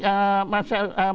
nah musim semi